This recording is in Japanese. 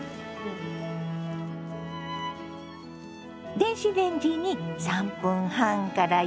電子レンジに３分半から４分間かけてね。